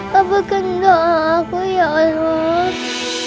papa kendoa aku ya tuhan